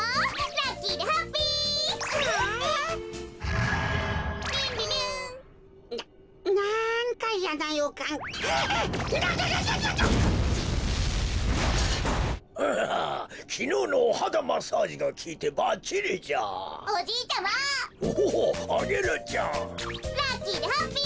ラッキーでハッピー！